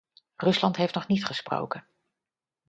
Rusland heeft nog niet gesproken.